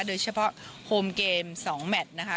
โดยเฉพาะโฮมเกม๒แมทนะคะ